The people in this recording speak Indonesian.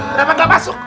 kenapa gak masuk